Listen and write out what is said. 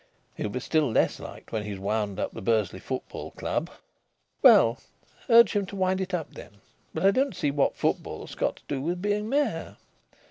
"He'll be still less liked when he's wound up the Bursley Football Club." "Well, urge him on to wind it up, then. But I don't see what football has got to do with being mayor."